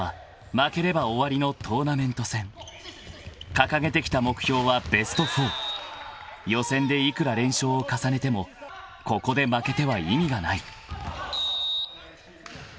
［掲げてきた目標はベスト４］［予選でいくら連勝を重ねてもここで負けては意味がない］